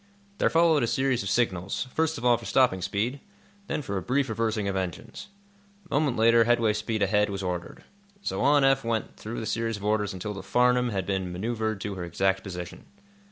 There followed a series of signals, first of all for stopping speed, then for a brief reversing of engines. A moment later headway speed ahead was ordered. So on Eph went through the series of orders until the "Farnum" had been manœuvred to her exact position.